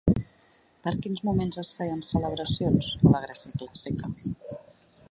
Per quins moments es feien celebracions, a la Grècia clàssica?